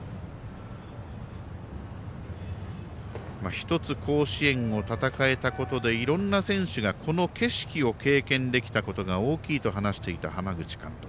１つ甲子園を戦えたことでいろんな選手が、この景色を経験できたことが大きいと話していた浜口監督。